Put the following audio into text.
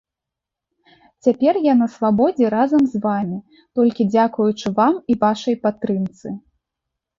Цяпер я на свабодзе разам з вамі, толькі дзякуючы вам і вашай падтрымцы.